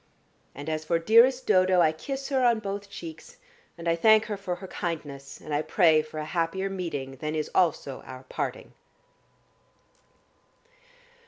And as for dearest Dodo, I kiss her on both cheeks, and I thank her for her kindness, and I pray for a happier meeting than is also our parting."